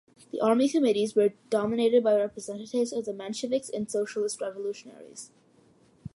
The army committees were dominated by representatives of the Mensheviks and Socialist Revolutionaries.